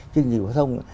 chương trình phổ tông